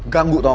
ganggu tau gak